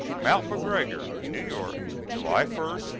MOUNT MACGREGOR, NEW YORK, July 1, 1885.